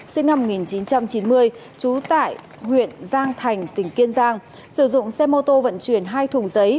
sinh năm một nghìn chín trăm chín mươi trú tại huyện giang thành tỉnh kiên giang sử dụng xe mô tô vận chuyển hai thùng giấy